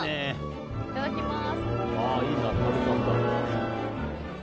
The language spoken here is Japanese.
いただきます。